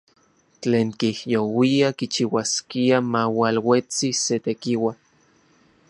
Tlen kijyouia kichiuaskia maualuetsi se tekiua.